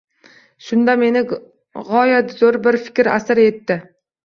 Shunda meni g`oyat zo`r bir fikr asir etdi